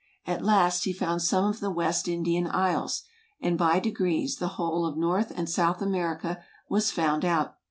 At last he found some of the West Indian isles; and by degrees, the whole of North and South America was found out.